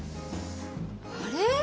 あれ？